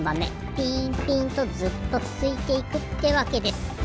ピンピンとずっとつづいていくってわけです。